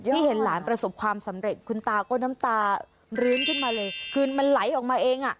ที่เห็นหลานประสบความสำเร็จคุณตาก็น้ำตาลื้นขึ้นมาเลยคือมันไหลออกมาเองอ่ะ